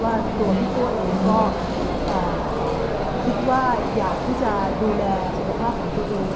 ว่าตัวพี่โก้เองก็คิดว่าอยากที่จะดูแลสุขภาพของตัวเอง